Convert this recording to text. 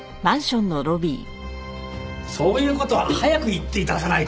そういう事は早く言って頂かないと。